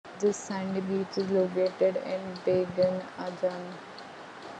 This sandy beach is located in Bagan Ajam.